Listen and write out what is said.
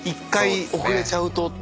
１回遅れちゃうと。